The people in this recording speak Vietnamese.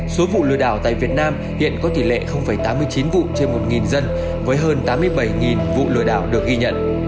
số vụ lừa đảo tại việt nam hiện có tỷ lệ tám mươi chín vụ trên một dân với hơn tám mươi bảy vụ lừa đảo được ghi nhận